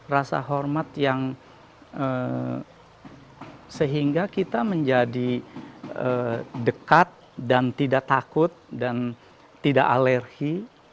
rasa hormat yang sehingga kita menjadi dekat dan tidak takut dan tidak alergi